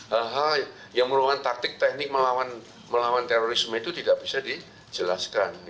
hal hal yang merupakan taktik teknik melawan terorisme itu tidak bisa dijelaskan